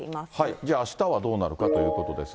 じゃあ、あしたはどうなるかということですが。